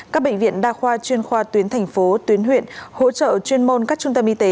các bệnh viện đa khoa chuyên khoa tuyến thành phố tuyến huyện hỗ trợ chuyên môn các trung tâm y tế